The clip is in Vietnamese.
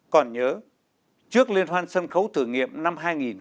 còn nhớ trước liên hoan sân khấu thử nghiệm năm hai nghìn một mươi tám